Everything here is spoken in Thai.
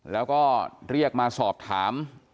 แล้วก็เรียกมาสอบถาม